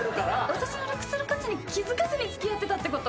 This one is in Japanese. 私のルックスの価値に気付かずに付き合ってたってこと？